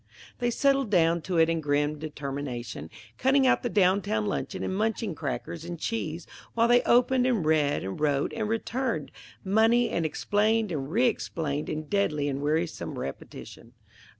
They settled down to it in grim determination, cutting out the down town luncheon and munching crackers and cheese while they opened and read and wrote and returned money and explained and re explained in deadly and wearisome repetition.